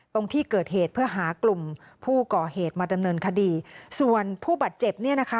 ตรงที่เกิดเหตุเพื่อหากลุ่มผู้ก่อเหตุมาดำเนินคดีส่วนผู้บาดเจ็บเนี่ยนะคะ